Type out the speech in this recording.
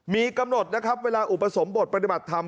มีกำหนดนะครับเวลาอุปสมบทปฏิบัติธรรม